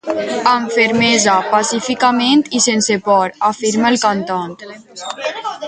Amb fermesa, pacíficament, i sense por, afirma el cantant.